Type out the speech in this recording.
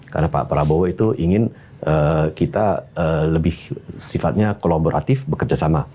karena pak prabowo itu ingin kita lebih sifatnya kolaboratif bekerja sama